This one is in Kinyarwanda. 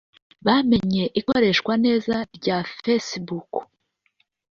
bamenye ikoreshwa neza rya Facebook